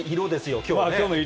きょうのね。